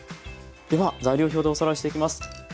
では材料表でおさらいしていきます。